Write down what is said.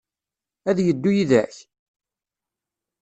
Ad d-yeddu yid-k?